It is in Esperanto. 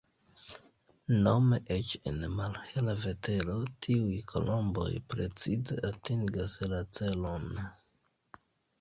Nome eĉ en malhela vetero tiuj kolomboj precize atingas la celon.